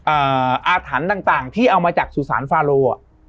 อาถรรพ์ต่างต่างที่เอามาจากสุสานฟาโลอ่ะ